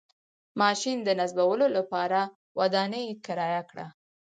ماشین د نصبولو لپاره ودانۍ کرایه کړه.